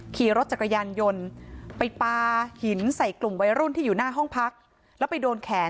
ขี่รถจักรยานยนต์ไปปลาหินใส่กลุ่มวัยรุ่นที่อยู่หน้าห้องพักแล้วไปโดนแขน